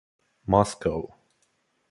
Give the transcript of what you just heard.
Moscow.